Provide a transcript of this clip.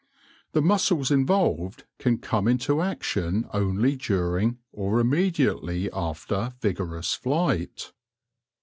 The muscles involved can come into action only during, or immediately after, vigorous flight.